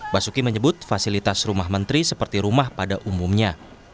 basuki menyebut fasilitas rumah menteri seperti rumah pada umumnya